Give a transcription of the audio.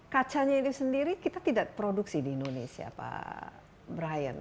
kacanya itu sendiri kita tidak produksi di indonesia pak brian